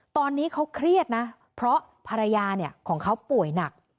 ตอนนี้เขาเครียดนะเพราะภรรยาของเขาป่วยหนัก